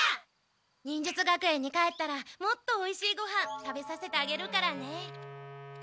忍術学園に帰ったらもっとおいしいごはん食べさせてあげるからね。